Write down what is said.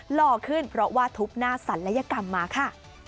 หล่อขึ้นเพราะว่าทุบหน้าศัลยกรรมมาค่ะ